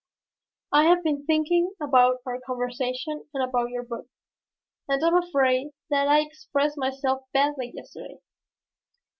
"I have been thinking about our conversation and about your book, and I am afraid that I expressed myself badly yesterday.